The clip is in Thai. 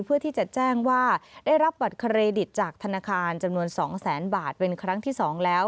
เพื่อที่จะแจ้งว่าได้รับบัตรเครดิตจากธนาคารจำนวน๒แสนบาทเป็นครั้งที่๒แล้ว